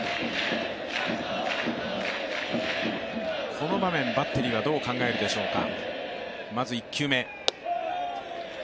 この場面、バッテリーはどう考えてるでしょうか。